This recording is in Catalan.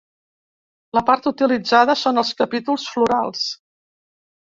La part utilitzada són els capítols florals.